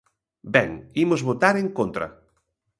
Ben, imos votar en contra.